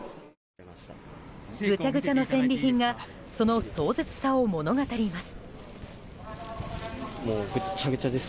ぐちゃぐちゃの戦利品がその壮絶さを物語ります。